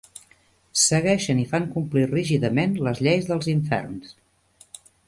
Segueixen i fan complir rígidament les lleis dels Inferns.